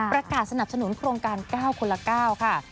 ประกาศสนับสนุนโครงการก้าวคนละก้าวค่ะ